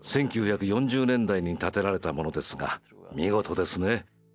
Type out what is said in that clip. １９４０年代に建てられたものですが見事ですね。